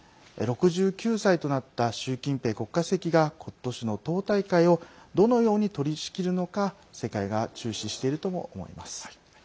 ６９歳となった習近平国家主席がことしの党大会をどのように取りしきるのか世界が注視しているとも思います。